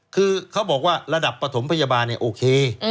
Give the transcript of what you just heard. คือเขาบอกว่าระดับปฐมพยาบาลเนี่ยโอเค